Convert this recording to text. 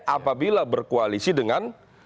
apabila berkoalisi dengan